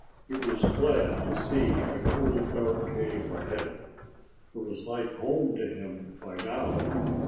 He was glad to see the cool dark cave ahead. It was like home to him by now.